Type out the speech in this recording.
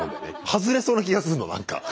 外れそうな気がするのなんか。